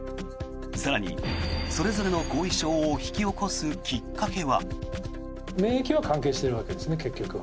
更に、それぞれの後遺症を引き起こすきっかけは。